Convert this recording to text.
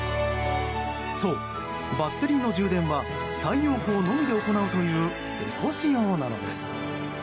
そう、バッテリーの充電は太陽光のみで行うというエコ仕様なのです。